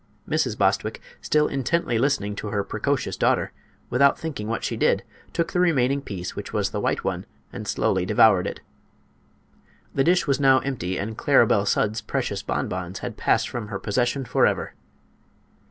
Mrs. Bostwick, still intently listening to her precocious daughter, without thinking what she did, took the remaining piece, which was the white one, and slowly devoured it. The dish was now empty, and Claribel Sudds' precious bonbons had passed from her possession forever!